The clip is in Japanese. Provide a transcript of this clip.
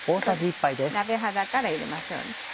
鍋肌から入れましょう。